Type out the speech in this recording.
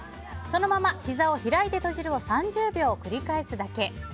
そのままひざを開いて閉じるを３０秒繰り返すだけ。